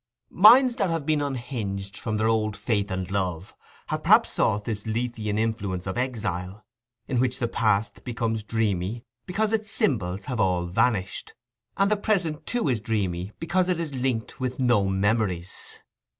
Minds that have been unhinged from their old faith and love, have perhaps sought this Lethean influence of exile, in which the past becomes dreamy because its symbols have all vanished, and the present too is dreamy because it is linked with no memories.